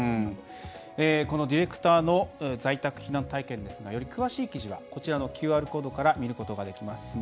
このディレクターの在宅避難体験ですがより詳しい記事はＱＲコードから見ることができます。